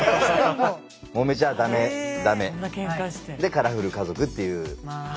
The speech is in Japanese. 「揉めちゃダメダメ」で「カラフル家族」っていう。